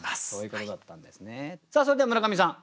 さあそれでは村上さん